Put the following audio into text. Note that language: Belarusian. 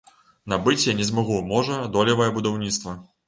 Набыць я не змагу, можа, долевае будаўніцтва.